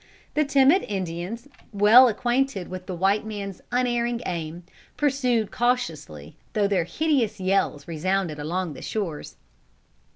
The timid Indians, well acquainted with the white man's unerring aim, pursued cautiously, though their hideous yells resounded along the shores.